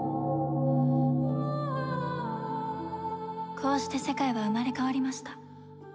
こうして世界は生まれ変わりました